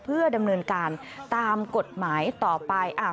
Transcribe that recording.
เพื่อดำเนินการตามกฎหมายต่อไป